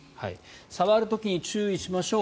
触る時に注意しましょう。